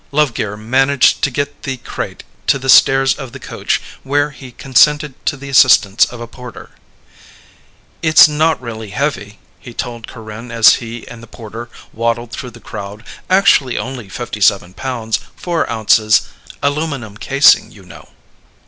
Lovegear managed to get the crate to the stairs of the coach where he consented to the assistance of a porter. "It's not really heavy," he told Corinne as he and the porter waddled through the crowd. "Actually only 57 pounds, four ounces. Aluminum casing, you know